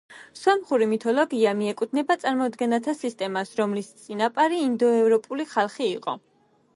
სომხური მითოლოგია მიეკუთვნება წარმოდგენათა სისტემას, რომლის წინაპარი ინდოევროპული ხალხი იყო.